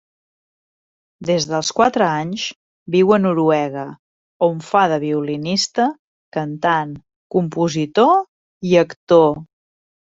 Des dels quatre anys viu a Noruega on fa de violinista, cantant, compositor i actor.